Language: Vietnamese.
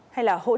hay là hồ sơ